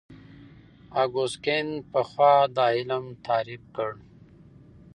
اګوست کُنت پخوا دا علم تعریف کړ.